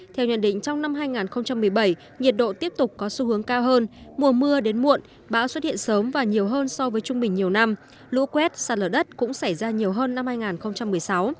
theo nhận định trong năm hai nghìn một mươi bảy nhiệt độ tiếp tục có xu hướng cao hơn mùa mưa đến muộn bão xuất hiện sớm và nhiều hơn so với trung bình nhiều năm lũ quét sạt lở đất cũng xảy ra nhiều hơn năm hai nghìn một mươi sáu